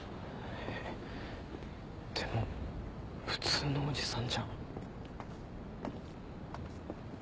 えっでも普通のおじさんじゃん。